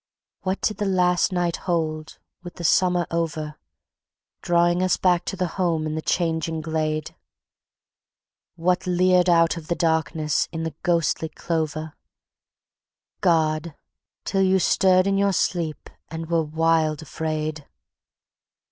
What did the last night hold, with the summer over, Drawing us back to the home in the changing glade? What leered out of the dark in the ghostly clover? God!... till you stirred in your sleep... and were wild afraid...